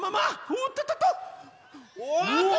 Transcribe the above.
おっとっとっとっと。